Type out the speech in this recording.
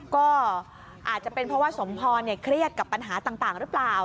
ก็อาจจะเป็นเพราะว่าสมพรเครียดกับปัญหาต่างหรือเปล่า